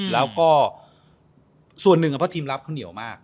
แล้วก็ส่วนหนึ่งเพราะทีมรับเขาเหนียวมาก